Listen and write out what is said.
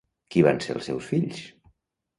Qui van ser els seus fills?